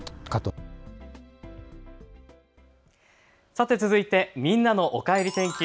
さて続いてみんなのおかえり天気。